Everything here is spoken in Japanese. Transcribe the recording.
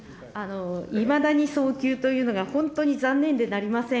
いまだに早急というのが、本当に残念でなりません。